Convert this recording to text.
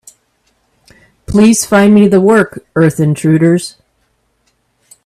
Please find me the work, Earth Intruders.